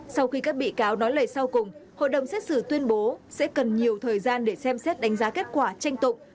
sau khi các bị cáo nói lời sau cùng hội đồng xét xử tuyên bố sẽ cần nhiều thời gian để xem xét đánh giá kết quả tranh tụng